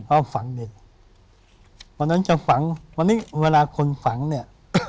ดรเพราะว่าฝังดินพอนั้นเจ้าฝังวันนี้เวลาคนฝังเนี่ย